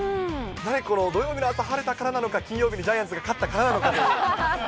この土曜日の朝晴れたからなのか、金曜日にジャイアンツが勝ったからなのかという。